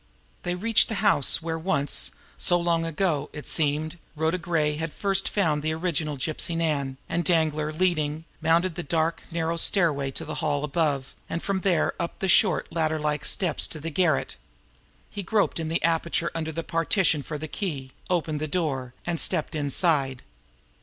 They reached the house where once so long ago now, it seemed! Rhoda Gray had first found the original Gypsy Nan; and, Danglar leading, mounted the dark, narrow stairway to the hall above, and from there up the short, ladder like steps to the garret. He groped in the aperture under the partition for the key, opened the door, and stepped inside.